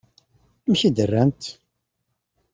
Amek i d-rrant?